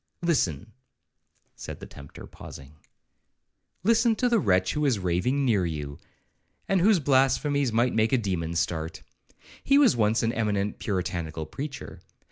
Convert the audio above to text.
—Listen,' said the tempter, pausing, 'listen to the wretch who is raving near you, and whose blasphemies might make a demon start.—He was once an eminent puritanical preacher.